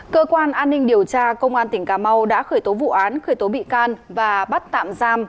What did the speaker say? cơ quan an ninh điều tra công an tp đồng hới đã khởi tố vụ án khởi tố bị can và bắt tạm giam